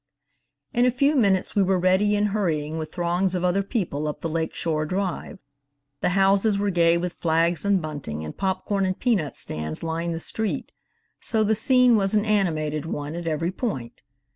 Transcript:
In a few minutes we were ready and hurrying with throngs of other people up the Lake Shore Drive. The houses were gay with flags and bunting, and popcorn and peanut stands lined the street, so the scene was an animated one at every point.